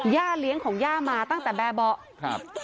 ย่าเลี้ยงของย่ามาตั้งแต่แบบ